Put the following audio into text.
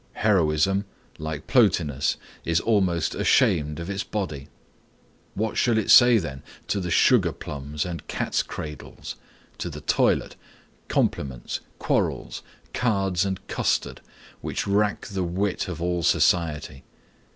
Heroism, like Plotinus, is almost ashamed of its body. What shall it say then to the sugar plums and cats' cradles, to the toilet, compliments, quarrels, cards and custard, which rack the wit of all society?